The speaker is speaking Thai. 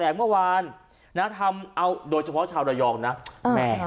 เมื่อวานนะทำเอาโดยเฉพาะชาวระยองนะแม่